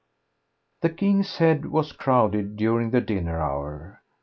The "King's Head" was crowded during the dinner hour.